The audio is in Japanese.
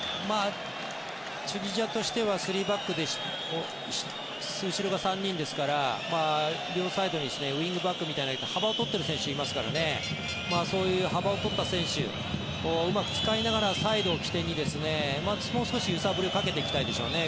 チュニジアとしては後ろが３人ですから両サイドにウィングバックみたいに幅を取っている選手がいますからそういう幅を取った選手をうまく使いながらサイドを起点にもう少し揺さぶりをかけていきたいでしょうね。